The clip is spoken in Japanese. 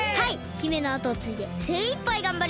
姫のあとをついでせいいっぱいがんばります！